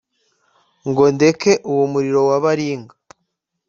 Ngo ndeke uwo muriro wa baringa